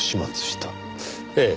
ええ。